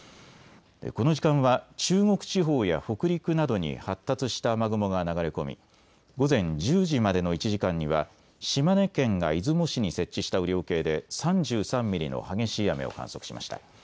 この時間は中国地方や北陸などに発達した雨雲が流れ込み午前１０時までの１時間には島根県が出雲市に設置した雨量計で３３ミリの激しい雨を観測しました。